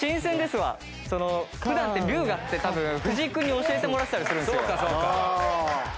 普段って龍我って多分藤井君に教えてもらってたりするんですよ。